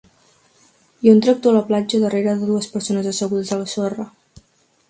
Hi ha un tractor a la platja darrera de dues persones assegudes a la sorra.